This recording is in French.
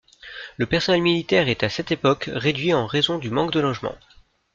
Le personnel militaire est à cette époque réduit en raison du manque de logements.